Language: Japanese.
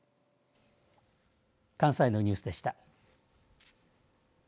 関西のニュースでした。